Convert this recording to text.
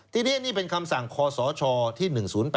ทีนี้นี่เป็นคำสั่งคศที่๑๐๘